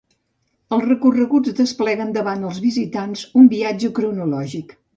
Els recorreguts despleguen davant els visitants un viatge cronològic.